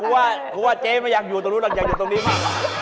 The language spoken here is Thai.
เพราะว่าเจ๊ไม่อยากอยู่ตรงนู้นหรอกอยากอยู่ตรงนี้มาก